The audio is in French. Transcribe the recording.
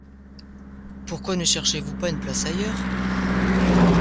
Pourquoi ne cherchez-vous pas une place ailleurs ?